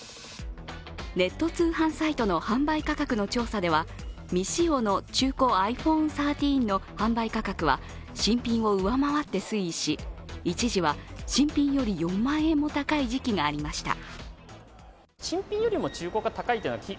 ネット通販サイトの販売価格の調査では未使用の中古ｉＰｈｏｎｅ１３の販売価格は新品を上回って推移し、一時は新品より４万円も高い時期がありました。